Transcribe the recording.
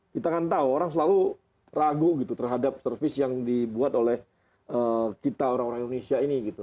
kita kan tahu orang selalu ragu gitu terhadap service yang dibuat oleh kita orang orang indonesia ini gitu